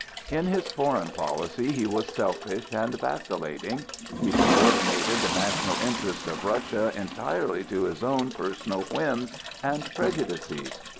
In his foreign policy he was selfish and vacillating. He subordinated the national interests of Russia entirely to his own personal whims and prejudices.